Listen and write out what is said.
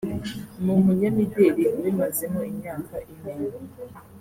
ni umunyamideli ubimazemo imyaka ine